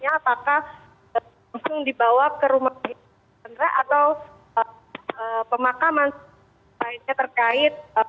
apakah langsung dibawa ke rumah sandra atau pemakaman lainnya terkait